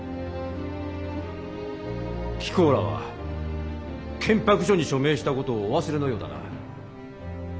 貴公らは建白書に署名した事をお忘れのようだな。